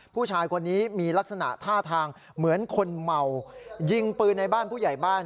ผู้ชายคนนี้มีลักษณะท่าทางเหมือนคนเมายิงปืนในบ้านผู้ใหญ่บ้าน